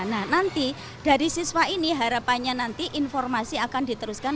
nah nanti dari siswa ini harapannya nanti informasi akan diteruskan